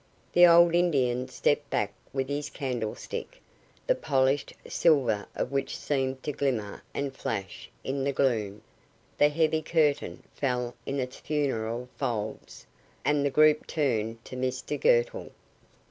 The old Indian stepped back with his candlestick, the polished silver of which seemed to glimmer and flash in the gloom, the heavy curtain fell in its funereal folds, and the group turned to Mr Girtle.